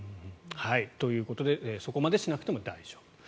ということでそこまでしなくても大丈夫。